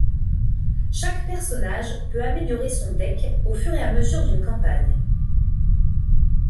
Chaque personnage peut améliorer son deck au fur et à mesure d'une campagne.